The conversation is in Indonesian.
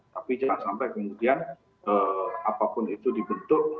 tapi jangan sampai kemudian apapun itu dibentuk